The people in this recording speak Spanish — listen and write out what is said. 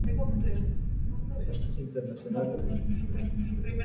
El lago está rodeado por un paisaje de estepa.